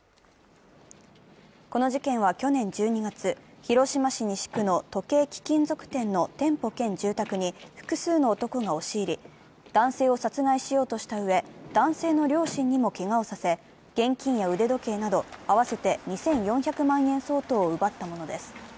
この事件は去年１２月、広島市西区の時計・貴金属店の店舗兼住宅に複数の男が押し入り、男性を殺害しようとしたうえ男性の両親にもけがをさせ、現金や腕時計など合わせて２４００万円相当を奪ったものです。